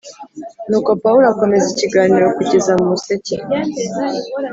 Nuko Pawulo akomeza ikiganiro kugeza mu museke